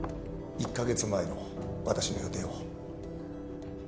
１カ月前の私の予定は？